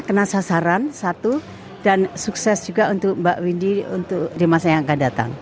kena sasaran satu dan sukses juga untuk mbak windy untuk di masa yang akan datang